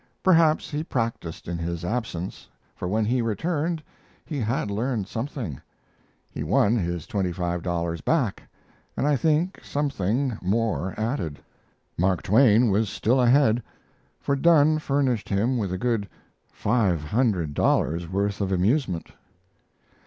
Perhaps he practised in his absence, for when he returned he had learned something. He won his twenty five dollars back, and I think something more added. Mark Twain was still ahead, for Dunne furnished him with a good five hundred dollars' worth of amusement.